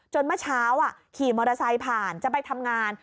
เมื่อเช้าขี่มอเตอร์ไซค์ผ่านจะไปทำงาน